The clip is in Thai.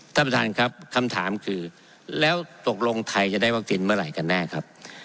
ท่านประธานครับคำถามคือแล้วตกลงไทยจะได้วัคซีนเมื่อไหร่กันแน่ครับ